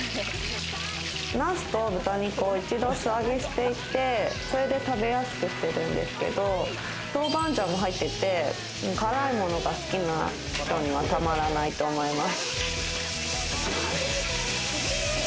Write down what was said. なすと豚肉を一度素揚げしていて、それで食べやすくしてるんですけど、豆板醤も入ってて辛いものが好きな人にはたまらないと思います。